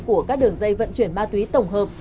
của các đường dây vận chuyển ma túy tổng hợp